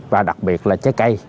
và đặc biệt là trái cây